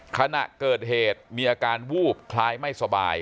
ขณะเกิดเหตุมีอาการวูบคล้ายไม่สบาย